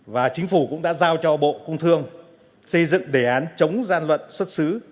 và chính phủ cũng đã giao cho bộ công thương xây dựng đề án chống gian lận xuất xứ